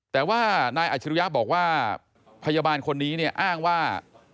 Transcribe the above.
แต่ว่านายอาชิริยะบอกว่าพยาบาลคนนี้เนี่ยอ้างว่า